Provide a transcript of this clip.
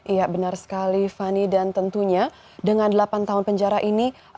iya benar sekali fani dan tentunya dengan delapan tahun penjara ini